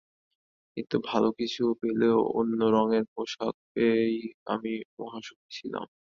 কিন্তু ভালো কিছু না পেলেও অন্য রঙের পোশাক পেয়েই আমি মহাখুশি হয়েছিলাম।